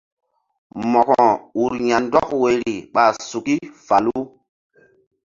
Mo̧ko ur ya̧ndɔk woyri ɓa suki falu.